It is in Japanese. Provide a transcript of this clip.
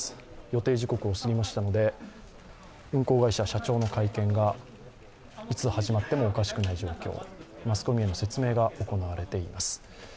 予定時刻を過ぎましたので運航会社社長の会見がいつ始まってもおかしくない状況マスコミへの説明が行われています。